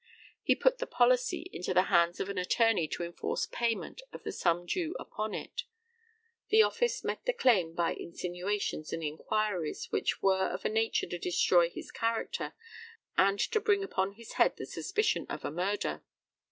He put the policy into the hands of an attorney to enforce payment of the sum due upon it. The office met the claim by insinuations and inquiries which were of a nature to destroy his character and to bring upon his head the suspicion of a murder.